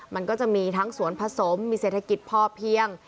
มันก็จะมีทั้งสวนผสมมีเศรษฐกิจพอเพียง